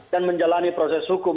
dan menjalani proses hukum